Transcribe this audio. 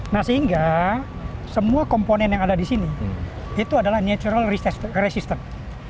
nah sehingga semua komponen yang ada di sini itu adalah natural resistance